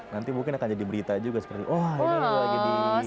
nanti mungkin akan jadi berita juga seperti wah ini loh lagi di